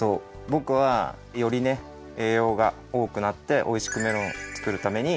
ぼくはよりねえいようがおおくなっておいしくメロンを作るために